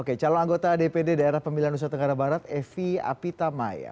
oke calon anggota dpd daerah pemilihan nusa tenggara barat evi apitamaya